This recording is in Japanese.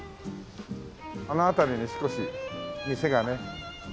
あの辺りに少し店がね。